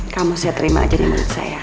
kamu saya terima aja di menit saya